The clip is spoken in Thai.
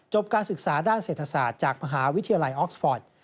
การศึกษาด้านเศรษฐศาสตร์จากมหาวิทยาลัยออกสปอร์ต